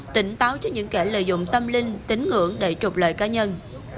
tỉnh táo cho những kẻ lợi dụng tâm linh tính ngưỡng để trục lợi cá nhân